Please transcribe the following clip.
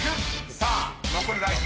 さあ残るライフ